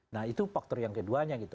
nah itu faktor yang keduanya gitu